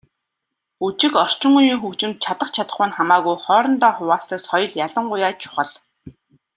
Бүжиг, орчин үеийн хөгжимд чадах чадахгүй нь хамаагүй хоорондоо хуваалцдаг соёл ялангуяа чухал.